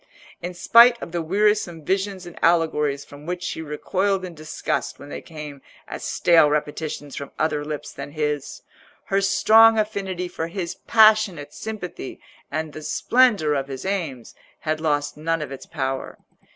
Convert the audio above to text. In spite of the wearisome visions and allegories from which she recoiled in disgust when they came as stale repetitions from other lips than his, her strong affinity for his passionate sympathy and the splendour of his aims had lost none of its power.